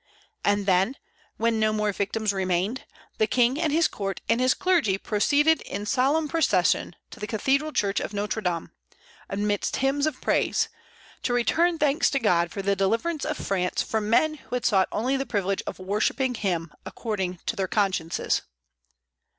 And then, when no more victims remained, the King and his court and his clergy proceeded in solemn procession to the cathedral church of Notre Dame, amidst hymns of praise, to return thanks to God for the deliverance of France from men who had sought only the privilege of worshipping Him according to their consciences!